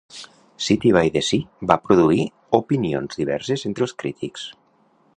"City by the Sea" va produir opinions diverses entre els crítics.